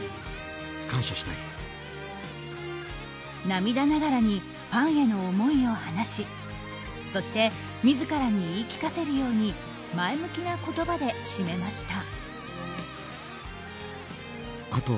涙ながらにファンへの思いを話しそして自らに言い聞かせるように前向きな言葉で締めました。